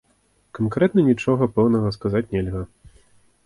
Канкрэтна нічога пэўнага сказаць нельга.